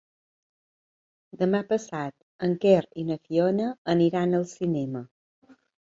Demà passat en Quer i na Fiona aniran al cinema.